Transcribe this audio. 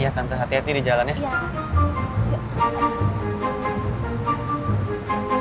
iya tante hati hati di jalan ya